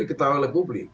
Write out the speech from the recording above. diketahui oleh publik